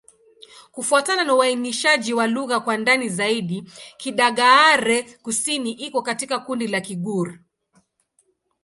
Kufuatana na uainishaji wa lugha kwa ndani zaidi, Kidagaare-Kusini iko katika kundi la Kigur.